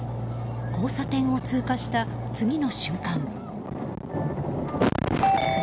交差点を通過した次の瞬間。